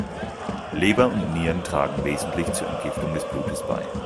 Leber und Nieren tragen wesentlich zur Entgiftung des Blutes bei.